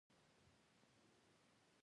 د یوټیوب چینلونه څومره عاید لري؟